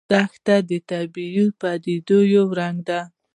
دښتې د طبیعي پدیدو یو رنګ دی.